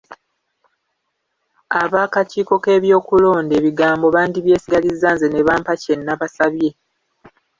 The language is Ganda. Ab'akiiko k'ebyokulonda ebigambo bandibyesigaliza nze ne bampa kye banabasabye.